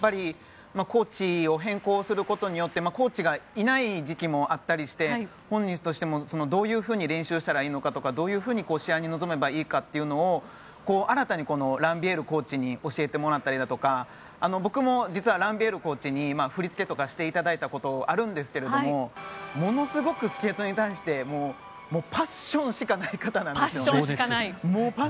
コーチを変更することによってコーチがいない時期もあったりして本人としても、どういうふうに練習したらいいのかどういうふうに試合に臨めばいいのかを新たにランビエールコーチに教えてもらったりだとか僕も実はランビエールコーチに振り付けとかしていただいたことがあるんですけどものすごいスケートに対してパッションしかない方なんですよ。